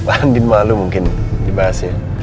andin malu mungkin dibahas ya